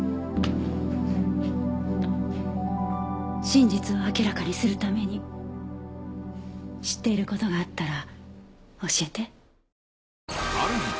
真実を明らかにするために知っている事があったら教えて。